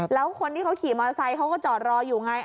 แล้วคนที่เขาขี่มอเตอร์ไซค์เขาก็จอดรออยู่ไง